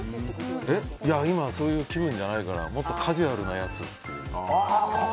今、そういう気分じゃないからもっとカジュアルなやつって。